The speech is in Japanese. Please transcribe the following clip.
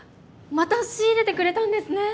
また仕入れてくれたんですね。